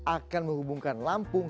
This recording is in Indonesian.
akan menghubungkan lampung